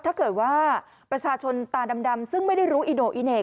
ถ้าเกิดว่าประชาชนตาดำซึ่งไม่ได้รู้อิโน่อีเหน่